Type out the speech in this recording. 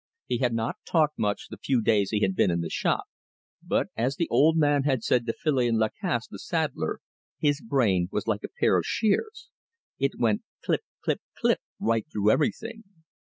He had not talked much the few days he had been in the shop, but, as the old man had said to Filion Lacasse the saddler, his brain was like a pair of shears it went clip, clip, clip right through everything.